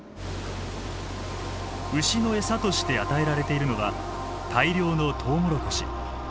牛のエサとして与えられているのは大量のトウモロコシ。